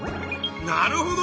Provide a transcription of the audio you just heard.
なるほど！